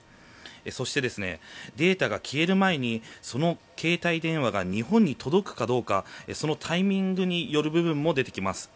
そして、データが消える前にその携帯電話が日本に届くかどうかそのタイミングによる部分も出てきます。